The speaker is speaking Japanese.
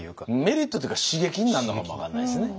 メリットっていうか刺激になるのかも分かんないですね。